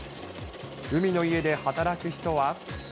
海の家で働く人は。